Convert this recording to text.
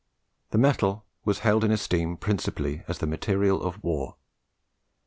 The metal was held in esteem principally as the material of war.